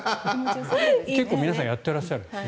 結構皆さんやっていらっしゃるんですね。